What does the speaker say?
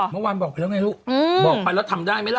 เมื่อวานบอกไปแล้วไงลูกบอกไปแล้วทำได้ไหมล่ะ